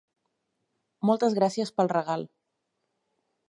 Moltes gràcies pel regal.